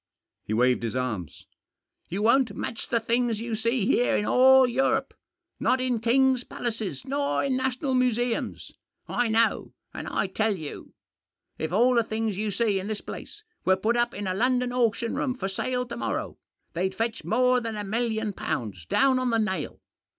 He waved his arms. "You won't match the things you see here in all Europe — not in kings' palaces nor in national museums. I know, Digitized by 252 THE JOSS. and I tell you. If all the things you see in this place were put up in a London auction room for sale to morrow, they'd fetch more than a million pounds — down on the nail